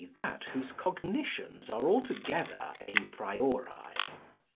that whose cognitions are altogether a priori.